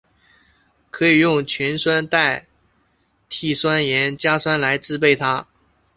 可以用全硫代锑酸盐加酸来制备它。